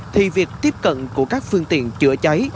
thì việc tiếp cận của các phương tiện chữa cháy